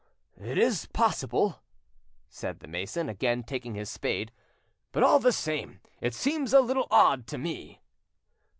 "It is possible," said the mason, again taking his spade, "but all the same it seems a little odd to me."